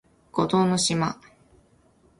孤島の島